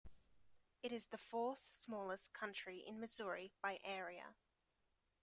It is the fourth-smallest county in Missouri by area.